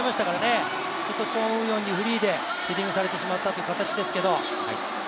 ここ、チョン・ウヨンにフリーでヘディングされてしまったという形ですけど。